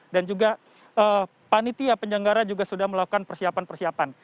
dan juga panitia penyelenggara juga sudah melakukan persiapan persiapan